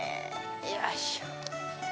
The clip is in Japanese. よいしょ。